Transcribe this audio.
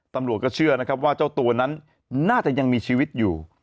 ตำรวจก็เชื่อนะครับว่าเจ้าตัวนั้นน่าจะยังมีชีวิตอยู่